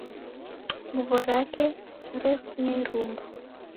Nguw'o rake raw'efunya irumba.